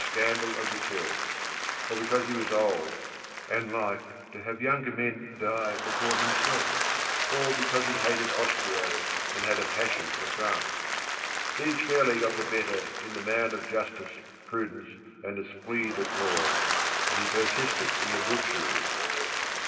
scandal <of"the church, of because he was old and liked to have younger men die before himself, or because he hated Austria and had a passion for France. ."These fairly got the better in the man Of justice, prudence, and esprit de carps, And he persisted in the butchery."